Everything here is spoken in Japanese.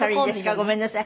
ごめんなさい。